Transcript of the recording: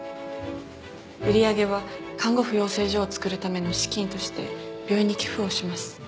売り上げは看護婦養成所を作るための資金として病院に寄付をします。